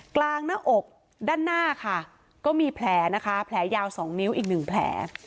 กลางหน้าอกด้านหน้าค่ะก็มีแผลนะคะแผลยาว๒นิ้วอีกหนึ่งแผล